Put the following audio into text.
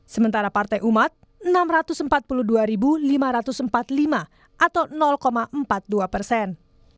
sementara partai umat enam ratus empat puluh dua lima ratus empat puluh lima atau empat puluh dua persen